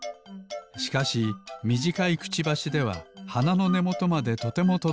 しかしみじかいくちばしでははなのねもとまでとてもとどきません。